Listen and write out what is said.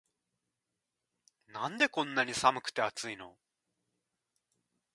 なんでこんなに寒くて熱いの